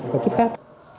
và kíp khác